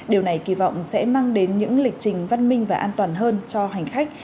điều này kỳ vọng sẽ mang đến những lịch trình văn minh và an toàn hơn cho hành khách